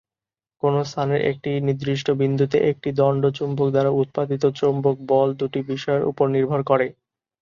কোনো স্থানের একটি নির্দিষ্ট বিন্দুতে একটি দণ্ড চুম্বক দ্বারা উৎপাদিত চৌম্বক বল দুটি বিষয়ের উপর নির্ভর করে।